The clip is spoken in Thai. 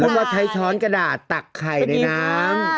แล้วก็ใช้ช้อนกระดาษตักไข่ในน้ำ